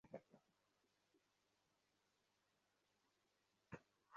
কেহ কেহ বা আদৌই বিবাহ করে না।